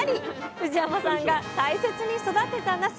藤山さんが大切に育てたなす。